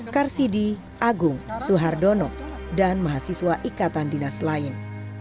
karsidi agung suhardono dan mahasiswa ikatan dinas lain